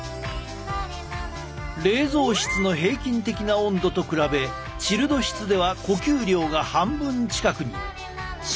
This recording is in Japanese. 冷蔵室の平均的な温度と比べチルド室では呼吸量が半分近くに。